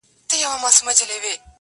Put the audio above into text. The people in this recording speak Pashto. چي د مندر کار د پنډت په اشارو کي بند دی_